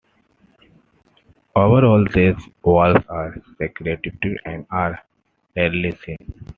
Overall, these owls are secretive, and are rarely seen.